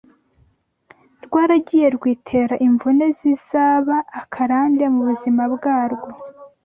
rwaragiye rwitera imvune zizaba akarande mu buzima bwarwo